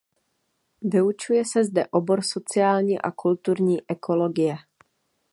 Vyučuje se zde obor sociální a kulturní ekologie.